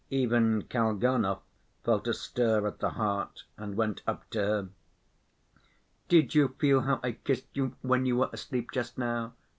Even Kalganov felt a stir at the heart and went up to her. "Did you feel how I kissed you when you were asleep just now?"